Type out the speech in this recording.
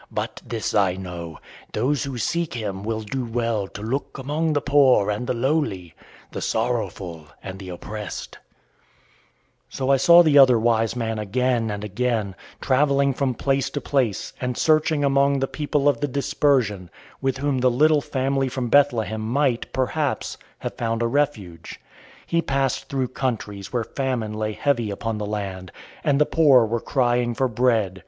But this I know. Those who seek Him will do well to look among the poor and the lowly, the sorrowful and the oppressed." [Illustration: "HE HEALED THE SICK"] So I saw the other wise man again and again, travelling from place to place, and searching among the people of the dispersion, with whom the little family from Bethlehem might, perhaps, have found a refuge. He passed through countries where famine lay heavy upon the land, and the poor were crying for bread.